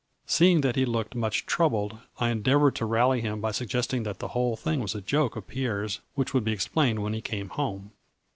Seeing that he looked much troubled, I endeavored to rally him by suggest ing that the whole thing was a joke of Pierre's which would be explained when he came home.